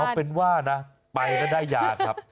เอาเป็นว่านะไปก็ได้ยาครับ